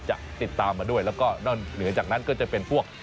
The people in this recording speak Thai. จะติดตามมาด้วยแล้วก็นอกเหนือจากนั้นก็จะเป็นพวก